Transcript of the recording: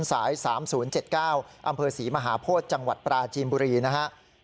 สาย๓๐๗๙อำเภอศรีมหาโพธิจังหวัดปราจีนบุรีนะครับ